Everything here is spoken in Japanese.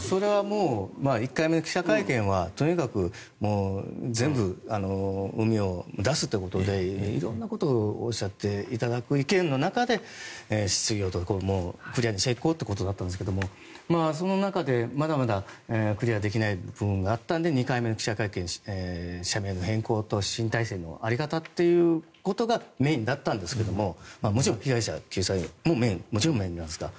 １回目の記者会見はとにかく全部うみを出すということで色んなことをおっしゃっていただく意見の中で質疑応答でクリアにしていこうということだったんですがその中でまだまだクリアできない部分があったので２回目の記者会見社名の変更と新体制の在り方ということがメインだったんですけどももちろん被害者救済もメインなんですが。